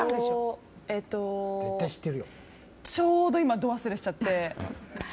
ちょうど今度忘れしちゃって。